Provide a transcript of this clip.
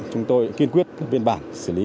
chúng tôi kiên quyết viên bản xử lý